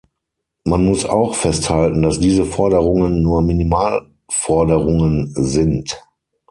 Man muss auch festhalten, dass diese Forderungen nur Minimalforderungen sind.